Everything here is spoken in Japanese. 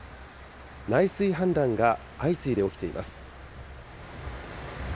内水氾濫が相次いで起きています。